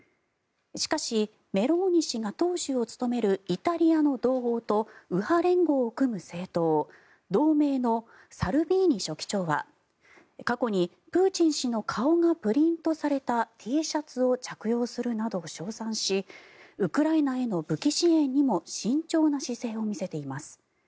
しかし、メローニ氏が党首を務めるイタリアの同胞と右派連合を組む政党、同盟のサルビーニ書記長は過去にプーチン氏の顔がプリントされたＴシャツを着用するなど称賛しウクライナへの武器支援にも慎重な姿勢を見せています。